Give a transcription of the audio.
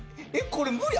これ無理。